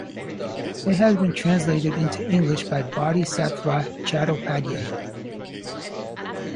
It has been translated into English by Bodhisattva Chattopadhyay.